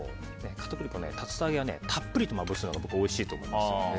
竜田揚げには片栗粉をたっぷりとまぶすのがおいしいと思います。